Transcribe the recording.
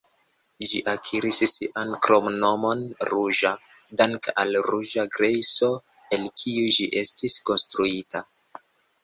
Ĝi akiris sian kromnomon "ruĝa" danke al ruĝa grejso, el kiu ĝi estis konstruita.